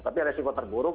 tapi resiko terburuk